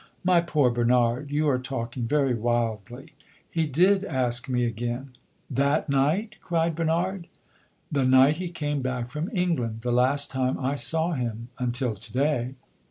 "My poor Bernard, you are talking very wildly. He did ask me again." "That night?" cried Bernard. "The night he came back from England the last time I saw him, until to day."